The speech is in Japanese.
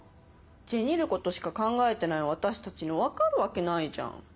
チニることしか考えてない私たちに分かるわけないじゃん。